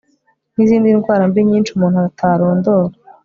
nizindi ndwara mbi nyinshi umuntu atarondora